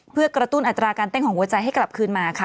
เพื่อกระตุ้นอัตราการเต้นของหัวใจให้กลับคืนมาค่ะ